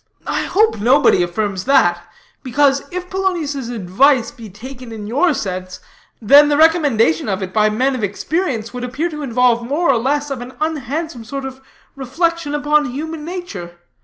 "I hope nobody affirms that; because, if Polonius' advice be taken in your sense, then the recommendation of it by men of experience would appear to involve more or less of an unhandsome sort of reflection upon human nature.